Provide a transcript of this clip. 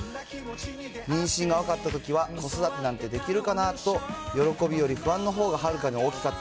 妊娠が分かったときは、子育てなんてできるかな？と、喜びより不安のほうがはるかに大きかった。